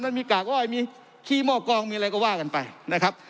มันมีกากอ้อยมีขี้หม้อกองมีอะไรก็ว่ากันไปนะครับ